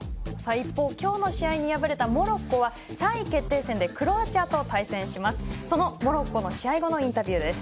今日の試合に敗れたモロッコは３位決定戦でクロアチアと対戦します。